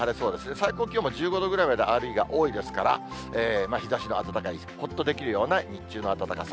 最高気温も１５度ぐらいまで上がる日が多いですから、日ざしの暖かい、ほっとできるような日中の暖かさ。